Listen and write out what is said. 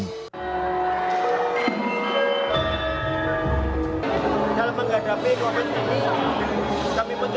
kami mencoba tetap eksis